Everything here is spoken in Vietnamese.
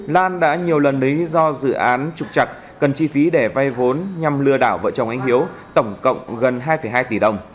lan đã nhiều lần lấy do dự án trục chặt cần chi phí để vay vốn nhằm lừa đảo vợ chồng anh hiếu tổng cộng gần hai hai tỷ đồng